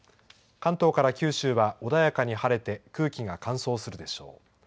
関東から九州は穏やかに晴れて空気が乾燥するでしょう。